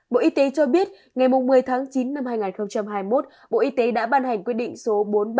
bộ y tế cho biết ngày một mươi tháng chín năm hai nghìn hai mươi một bộ y tế đã ban hành quyết định số bốn nghìn ba trăm năm mươi năm